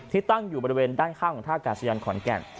ตั้งอยู่บริเวณด้านข้างของท่ากาศยานขอนแก่น